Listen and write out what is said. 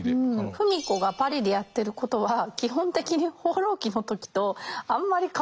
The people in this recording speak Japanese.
芙美子がパリでやってることは基本的に「放浪記」の時とあんまり変わってない。